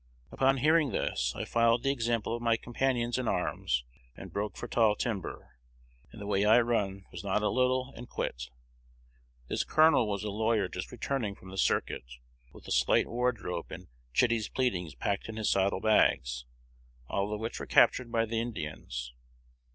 Upon hearing this, I followed the example of my companions in arms, and broke for tall timber, and the way I run was not a little, and quit.' "This colonel was a lawyer just returning from the circuit, with a slight wardrobe and 'Chitty's Pleadings' packed in his saddle bags, all of which were captured by the Indians.